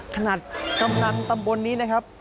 ขนาดกำนันตำบลนี้นะครับ